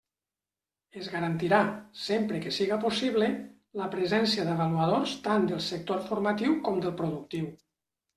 Es garantirà, sempre que siga possible, la presència d'avaluadors tant del sector formatiu com del productiu.